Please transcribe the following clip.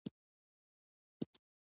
ډيپلومات د کوربه هېواد قوانین مراعاتوي.